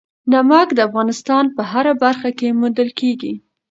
نمک د افغانستان په هره برخه کې موندل کېږي.